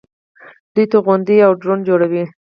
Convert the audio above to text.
دوی توغندي او ډرون جوړوي.